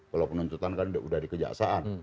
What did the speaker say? kalau penuntutan kan udah dikejaksaan